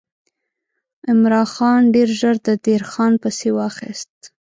عمرا خان ډېر ژر د دیر خان پسې واخیست.